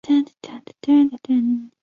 沃穆瓦斯。